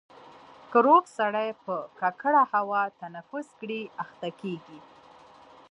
که روغ سړی په ککړه هوا تنفس کړي اخته کېږي.